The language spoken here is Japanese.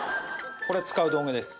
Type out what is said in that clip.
これ使う道具です。